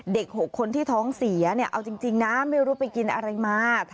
๖คนที่ท้องเสียเนี่ยเอาจริงนะไม่รู้ไปกินอะไรมา